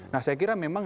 nah saya kira memang